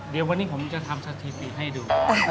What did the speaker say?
เดี๋ยววันนี้ผมจะทำสถิติให้ดู